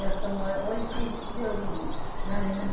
おいしい料理になります。